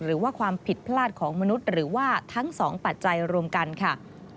หรือว่าความผิดพลาดของมนุษย์หรือว่าทั้งสองปัจจัยรวมกันค่ะ